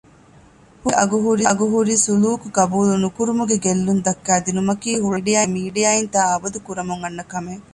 ހުޅަނގުގެ އަގުހުރި ސުލޫކު ގަބޫލު ނުކުރުމުގެ ގެއްލުން ދައްކައިދިނުމަކީ ހުޅަނގުގެ މީޑިއާއިން ތާއަބަދު ކުރަމުން އަންނަ ކަމެއް